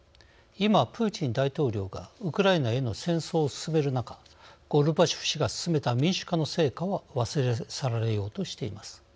今、プーチン大統領がウクライナへの戦争を進める中ゴルバチョフ氏が進めた民主化の成果は忘れ去られようとしています。